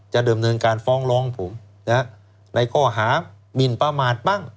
เดิมเนินการฟ้องร้องผมในข้อหามินประมาทบ้าง